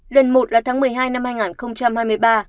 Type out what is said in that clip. lần một là tháng một mươi hai năm hai nghìn hai mươi ba